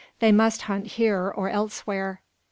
They must hunt here or elsewhere.